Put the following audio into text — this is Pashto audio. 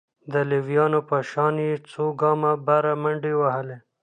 د ليونيانو په شان يې څو ګامه بره منډې وهلې.